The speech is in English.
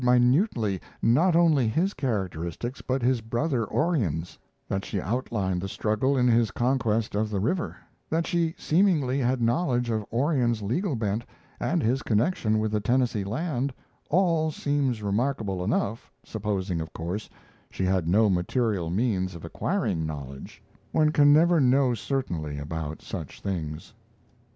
minutely not only his characteristics, but his brother Orion's; that she outlined the struggle in his conquest of the river; that she seemingly had knowledge of Orion's legal bent and his connection with the Tennessee land, all seems remarkable enough, supposing, of course, she had no material means of acquiring knowledge one can never know certainly about such things.